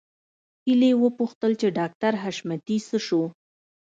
هيلې وپوښتل چې ډاکټر حشمتي څه شو